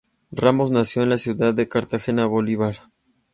Ramos nació en la ciudad de Cartagena, Bolívar.